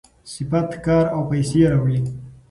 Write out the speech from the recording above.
صنعت کار او پیسې راوړي.